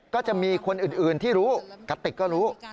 ก็จะมีคนอื่นที่รู้กะติกก็รู้